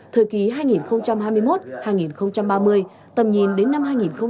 thời kỳ hai nghìn hai mươi một hai nghìn ba mươi tầm nhìn đến năm hai nghìn năm mươi